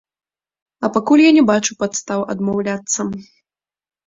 А пакуль я не бачу падстаў адмаўляцца.